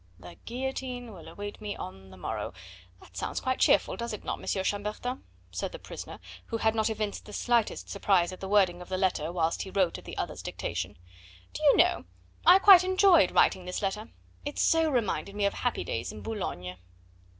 '" "'The guillotine will await me on the morrow.' That sounds quite cheerful, does it not, M. Chambertin?" said the prisoner, who had not evinced the slightest surprise at the wording of the letter whilst he wrote at the other's dictation. "Do you know, I quite enjoyed writing this letter; it so reminded me of happy days in Boulogne."